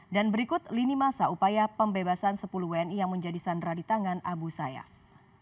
dan berikut lini masa upaya pembebasan sepuluh wni yang menjadi sandra di tangan abu sayyaf